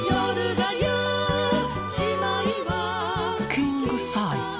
キングサイズ？